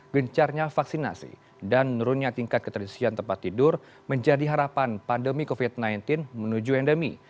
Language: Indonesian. gencarnya vaksinasi dan menurunnya tingkat keterisian tempat tidur menjadi harapan pandemi covid sembilan belas menuju endemi